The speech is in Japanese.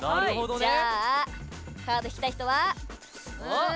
じゃあ、カード引きたい人は。